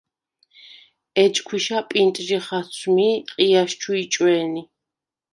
ეჯ ქვიშა პინტჟი ხაცვმი ი ყიჲას ჩუ იჭვე̄ნი.